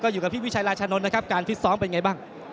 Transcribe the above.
อยู่กับพี่วิชัยราชานนท์นะครับการฟิตซ้อมเป็นไงบ้าง